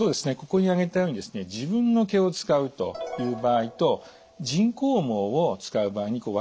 ここに挙げたようにですね自分の毛を使うという場合と人工毛を使う場合に分けられるんですね。